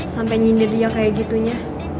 sampai nyindir dia kayak gitunya